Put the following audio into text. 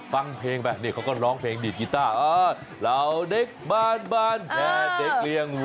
ฟังเพลงไปเขาก็ร้องเพลงดีตกีต้าร่าวเด็กบ้านแค่เด็กเลี่ยงหัว